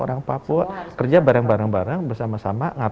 jangan lupa ya bekas t malee salaman kau